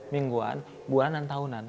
mingguan bulanan tahunan